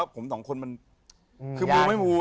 ผม๒คุณมันมูไม่มูอ่ะ